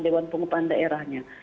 dewan pengupahan daerahnya